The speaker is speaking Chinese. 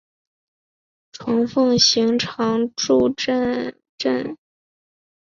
虫奉行常住战阵！